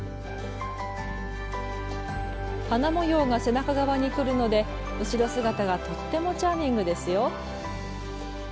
花模様が背中側にくるので後ろ姿がとってもチャーミングですよ。